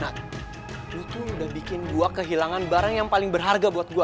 nah lo tuh udah bikin gue kehilangan barang yang paling berharga buat gue